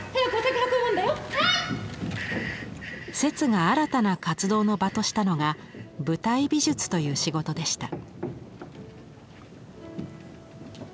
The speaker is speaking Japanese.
摂が新たな活動の場としたのが舞台美術という仕事でした。